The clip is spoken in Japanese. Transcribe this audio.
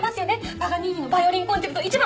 パガニーニの『ヴァイオリンコンチェルト１番』。